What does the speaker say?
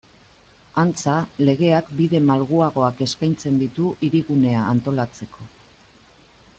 Antza, legeak bide malguagoak eskaintzen ditu Hirigunea antolatzeko.